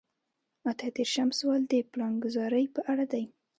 اته دېرشم سوال د پلانګذارۍ په اړه دی.